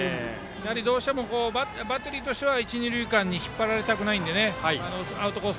どうしてもバッテリーとしては一、二塁間に引っ張られたくないのでアウトコース